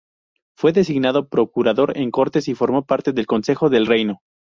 Fue designado Procurador en Cortes, y formó parte del Consejo del Reino.